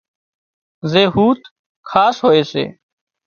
زي هوٿ خاص هوئي سي